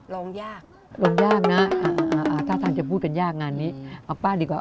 ลองยากลงยากนะท่าทางจะพูดกันยากงานนี้เอาป้าดีกว่า